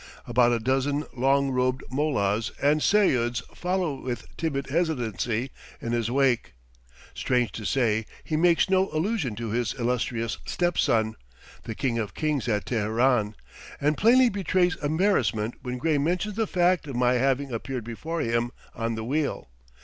About a dozen long robed mollahs and seyuds follow with timid hesitancy in his wake. Strange to say, he makes no allusion to his illustrious step son, the King of Kings at Teheran; and plainly betrays embarrassment when Gray mentions the fact of my having appeared before him on the wheel.